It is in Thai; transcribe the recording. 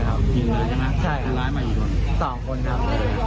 ร้อยใช่ไหมใช่อันไลน์กี่คนสองคนครับ